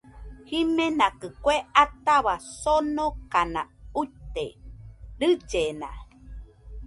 Jimenakɨ kue atahua sonokana uite, rillena